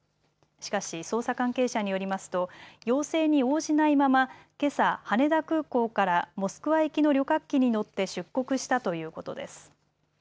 しかし捜査関係者によりますと要請に応じないままけさ羽田空港からモスクワ行きの旅客機に乗って出国したということです。